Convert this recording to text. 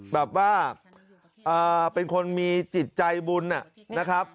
แบบว่าเป็นคนมีจิตใจบุญนะครับ